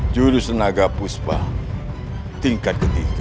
jurus tenaga puspa tingkat ketiga